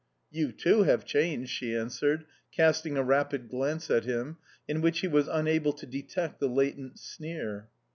"You, too, have changed," she answered, casting a rapid glance at him, in which he was unable to detect the latent sneer.